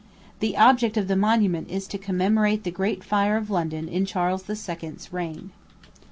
The object of the Monument is to commemorate the great fire of London in Charles II.'s reign.